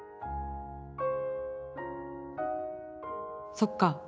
そっか。